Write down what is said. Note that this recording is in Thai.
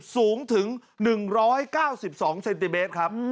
สูงถึง๑๙๒เซนติเมตรครับ